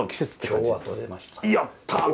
やった！